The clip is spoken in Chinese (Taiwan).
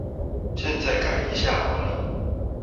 現在改一下好了